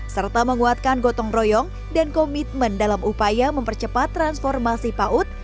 serta menguatkan gotong royong dan komitmen dalam upaya mempercepat transformasi paut